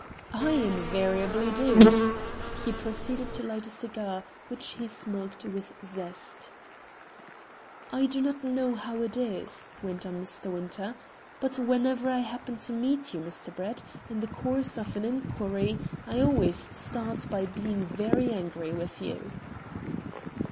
"I invariably do." He proceeded to light a cigar, which he smoked with zest. "I do not know how it is," went on Mr. Winter, "but whenever I happen to meet you, Mr. Brett, in the course of an inquiry, I always start by being very angry with you."